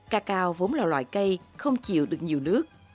cacao vốn là loại cây không chịu được nhiều nước